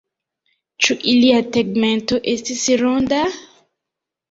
Ĉu ilia tegmento estis ronda?